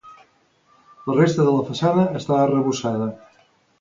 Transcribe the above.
La resta de la façana està arrebossada.